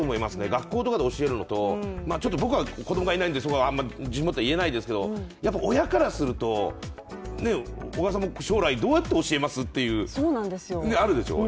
学校とかで教えるのと、僕は子供いないんで自信を持って言えないですけどやっぱ親からすると、小川さんも将来、どうやって教えます？っていうのがあるでしょう。